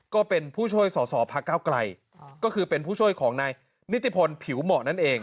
ก็เป็นผู้ช่วยสอสอพักเก้าไกลก็คือเป็นผู้ช่วยของนายนิติพลผิวเหมาะนั่นเอง